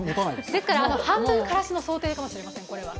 ですから半分、からしの想定かもしれません。